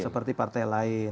seperti partai lain